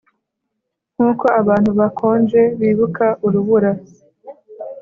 nkuko abantu bakonje bibuka urubura--